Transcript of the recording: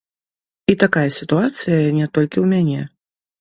І такая сітуацыя не толькі ў мяне.